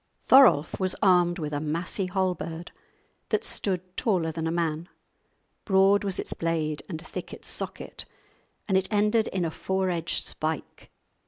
Thorolf was armed with a massy halberd that stood taller than a man; broad was its blade and thick its socket, and it ended in a four edged spike.